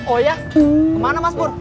oh iya kemana mas pur